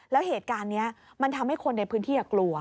แล้วเหตุการณ์นี้มันทำให้คนในพื้นที่กลัว